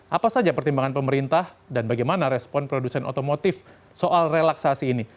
apa saja pertimbangan pemerintah dan bagaimana respon produsen otomotif soal relaksasi ini